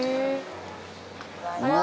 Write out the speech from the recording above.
うわ！